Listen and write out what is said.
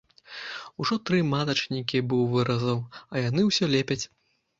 Ужо тры матачнікі быў выразаў, а яны ўсё лепяць.